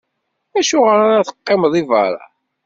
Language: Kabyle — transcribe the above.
Acuɣeṛ ara teqqimeḍ di beṛṛa?